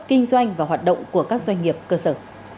kinh doanh và hoạt động của các doanh nghiệp cơ sở